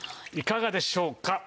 いかがでしょうか？